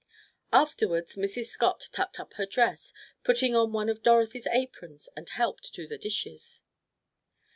Afterwards Mrs. Scott tucked up her dress, putting on one of Dorothy's aprons, and helped do the dishes.